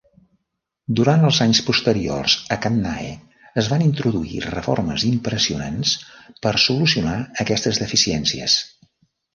Durant els anys posteriors a Cannae, es van introduir reformes impressionants per solucionar aquestes deficiències.